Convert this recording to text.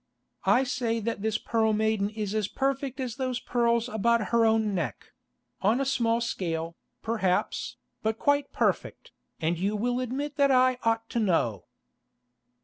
I say that this Pearl Maiden is as perfect as those pearls about her own neck; on a small scale, perhaps, but quite perfect, and you will admit that I ought to know."